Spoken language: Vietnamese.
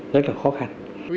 rất là khó khăn